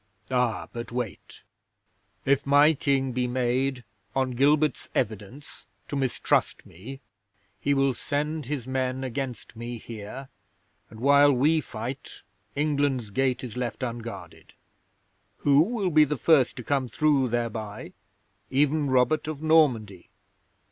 '"Ah, but wait! If my King be made, on Gilbert's evidence, to mistrust me, he will send his men against me here, and while we fight, England's gate is left unguarded. Who will be the first to come through thereby? Even Robert of Normandy.